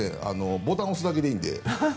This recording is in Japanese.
ボタンを押すだけでいいので。